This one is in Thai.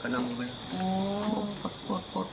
ก็เห็นเรามั้ยครับ